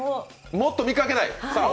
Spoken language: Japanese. もっと見かけない。